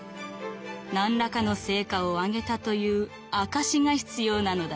何らかの成果を上げたという証しが必要なのだな」。